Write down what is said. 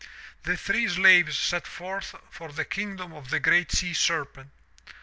* *The three slaves set forth for the kingdom of the GREAT SEA SERPENT.